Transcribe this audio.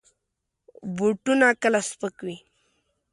بوټونه کله سپک وي.